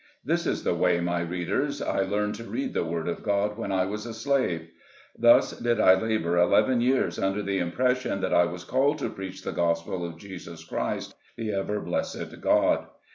This is the way, my readers, I learned to read the word of God when I was a slave. Thus did I labor eleven years under the impression that I was called to preach the gospel of Jesus Christ, the ever blessed God.